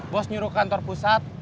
bos nyuruh kantor pusat